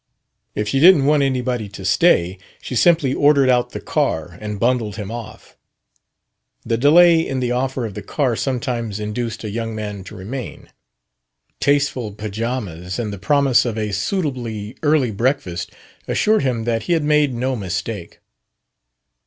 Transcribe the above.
If she didn't want anybody to stay, she simply ordered out the car and bundled him off. The delay in the offer of the car sometimes induced a young man to remain. Tasteful pajamas and the promise of a suitably early breakfast assured him that he had made no mistake.